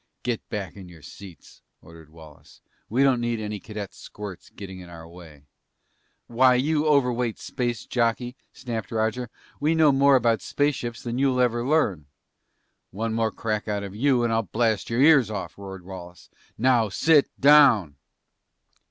"Get back in your seats," ordered Wallace. "We don't need any cadet squirts getting in our way!" "Why, you overweight space jockey," snapped Roger, "we know more about spaceships than you'll ever learn!" "One more crack out of you and I'll blast your ears off!" roared Wallace. _"Now sit down!"